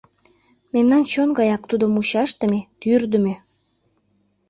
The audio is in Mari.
Мемнан чон гаяк тудо мучашдыме, тӱрдымӧ.